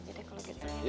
jadi kalau gitu ya